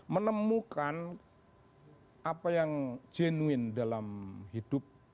menemukan apa yang jenuin dalam hidup